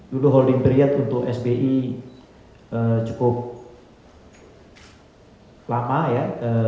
dulu holding period untuk sbi cukup lama ya